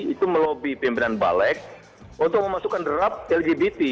itu melobi pimpinan balek untuk memasukkan draft lgbt